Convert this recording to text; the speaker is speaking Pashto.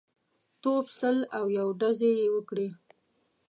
توپ سل او یو ډزې یې وکړې.